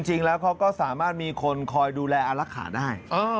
จริงแล้วเขาก็สามารถมีคนคอยดูแลอารักษาได้